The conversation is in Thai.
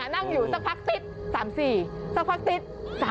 นั่งอยู่สักพักติ๊ด๓๔สักพักติ๊ด